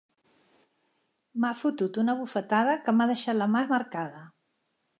M'ha fotut una bufetada que m'ha deixat la mà marcada.